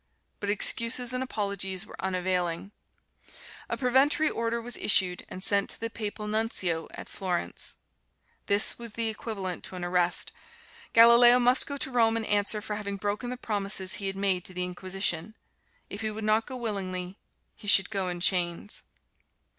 But excuses and apologies were unavailing. A preventory order was issued and sent to the Papal Nuncio at Florence. This was equivalent to an arrest. Galileo must go to Rome and answer for having broken the promises he had made to the Inquisition. If he would not go willingly, he should go in chains.